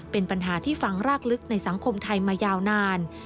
เป็นปัญหาที่ฟังรากลึกในสังคมไทยมายาวนาน